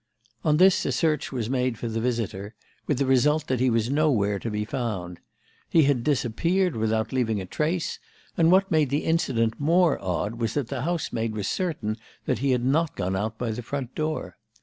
"On this a search was made for the visitor, with the result that he was nowhere to be found. He had disappeared without leaving a trace, and what made the incident more odd was that the housemaid was certain that he had not gone out by the front door.